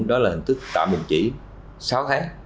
đó là hình thức tạm hình chỉ sáu tháng